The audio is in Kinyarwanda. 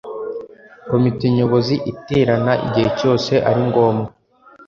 komite nyobozi iterana igihe cyose ari ngombwa